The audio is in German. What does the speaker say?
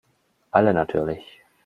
Alle natürlich.